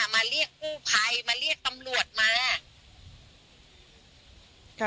มาเรียกกู้ภัยมาเรียกตำรวจมา